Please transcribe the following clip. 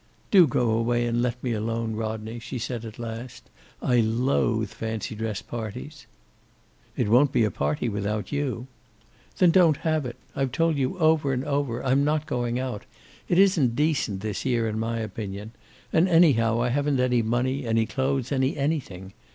"Do go away and let me alone, Rodney," she said at last. "I loathe fancy dress parties." "It won't be a party without you." "Then don't have it. I've told you, over and over, I'm not going out. It isn't decent this year, in my opinion. And, anyhow, I haven't any money, any clothes, any anything.